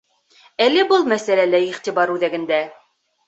Әле был мәсьәлә лә иғтибар үҙәгендә.